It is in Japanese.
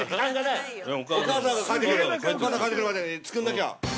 ◆お母さん帰ってくるまでに作らなきゃ！